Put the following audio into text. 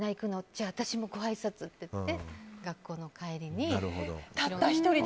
じゃあ私もごあいさつって言って学校の帰りに。